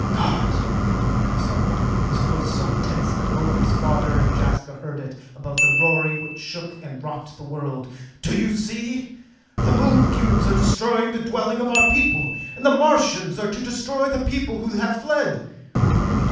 "God!" cried Sarka, his voice so tense that both his father and Jaska heard it above the roaring which shook and rocked the world. "Do you see? The Moon cubes are destroying the dwelling of our people, and the Martians are to destroy the people who have fled!"